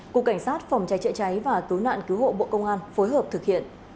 cục cảnh sát phòng cháy chạy cháy và tú nạn cứu hộ bộ công an phối hợp thực hiện